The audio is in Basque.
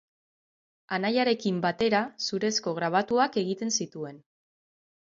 Anaiarekin batera zurezko grabatuak egiten zituen.